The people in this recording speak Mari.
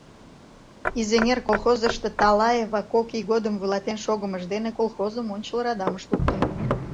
— «Изеҥер» колхозышто Талаева кок ий годым вуйлатен шогымыж дене колхозым ончыл радамыш луктын.